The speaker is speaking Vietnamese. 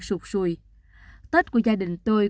sụp sùi tết của gia đình tôi